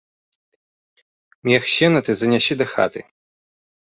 Мех сена ты занясі дахаты.